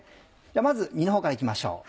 じゃあまず身のほうから行きましょう。